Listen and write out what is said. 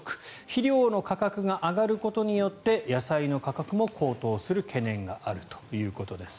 肥料の価格が上がることによって野菜の価格も高騰する懸念があるということです。